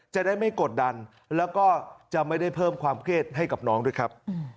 จะได้ไม่กดดันแล้วก็จะไม่ได้เพิ่มความเครียดให้กับน้องด้วยครับ